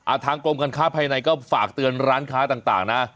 ทางกรมการค้าภายในก็ฝากเตือนร้านค้าต่างนะ